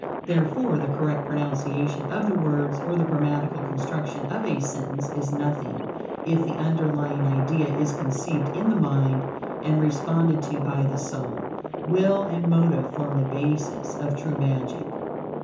Therefore, the correct pronunciation of the words or the grammatical construction of a sentence is nothing, if the underlying idea is conceived in the mind and responded to by the soul. Will and motive form the basis of true magic.